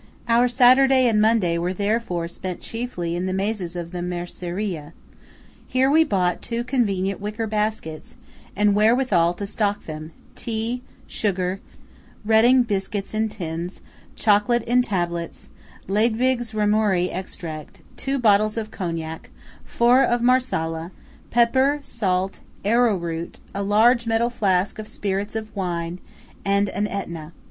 Our Saturday and Monday were therefore spent chiefly in the mazes of the Merceria. Here we bought two convenient wicker baskets, and wherewithal to stock them–tea, sugar, Reading biscuits in tins, chocolate in tablets, Liebig's Ramornie extract, two bottles of Cognac, four of Marsala, pepper, salt, arrowroot, a large metal flask of spirits of wine, and an Etna.